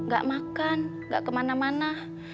gak makan gak kemana mana